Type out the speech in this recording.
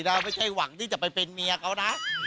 เราไม่ใช่หวังที่จะไปเป็นเมียเขานะ